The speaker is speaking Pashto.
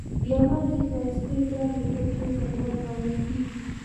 پیاله د ښایسته ډالۍ په توګه ورکول کېږي.